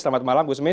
selamat malam gusmis